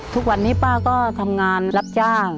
ทุกวันนี้ป้าก็ทำงานรับจ้าง